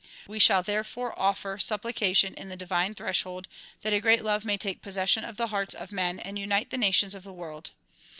We shall therefore otit'er supplication in the divine threshold that a great love may take possession of the hearts of men and unite the nations of the world.